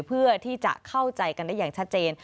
เพื่อที่จะเข้าใจกันได้อย่างชัดเจน